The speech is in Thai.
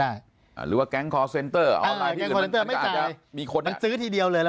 ได้หรือว่าแก๊งคอร์สเซ็นเตอร์ไม่จ่ายมีคนซื้อทีเดียวเลยแล้ว